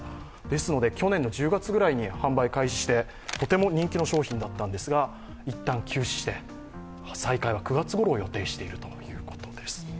ですので去年の１０月ぐらいに販売開始してとても人気の商品だったんですが一旦休止して、再開は９月ごろを予定しているということです。